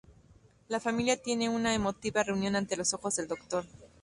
La familia tiene una emotiva reunión ante los ojos del Doctor.